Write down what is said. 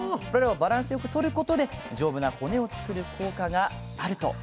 これらをバランスよくとることで丈夫な骨を作る効果があると。